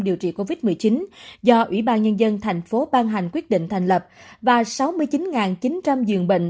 điều trị covid một mươi chín do ủy ban nhân dân thành phố ban hành quyết định thành lập và sáu mươi chín chín trăm linh giường bệnh